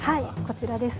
こちらです。